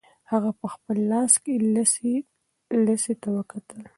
هغه په خپل لاس کې لسی ته وکتل.